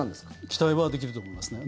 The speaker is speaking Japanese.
期待はできると思いますね。